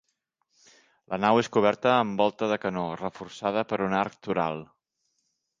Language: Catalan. La nau és coberta amb volta de canó, reforçada per un arc toral.